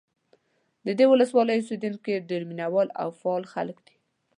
د دې ولسوالۍ اوسېدونکي ډېر مینه وال او فعال خلک دي.